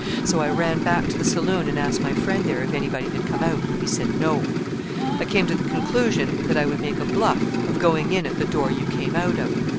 So I ran back to the saloon and asked my friend there if anybody had come out, and he said 'No.' I came to the conclusion that I would make a bluff of going in at the door you came out of.